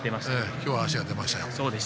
今日は足が出ましたよ。